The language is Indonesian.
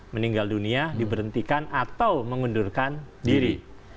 meninggal dunia diberhentikan atau mengundurkan diri